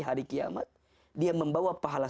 hari kiamat dia membawa pahala